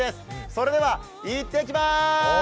それでは、行ってきます！